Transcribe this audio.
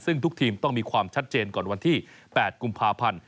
ซึ่งทุกทีมต้องมีความชัดเจนก่อนวันที่๘กุมภาพันธ์